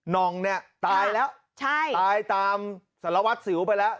นองตายแล้วตายตามสระวัดสิวไปแล้ว